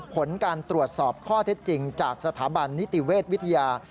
ผลการตรวจสอบข้อเท็จจริงจากสถาบันนิติเวชวิทยา